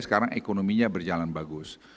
sekarang ekonominya berjalan bagus